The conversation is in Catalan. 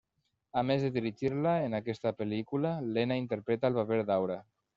A més de dirigir-la, en aquesta pel·lícula Lena interpreta el paper d'Aura.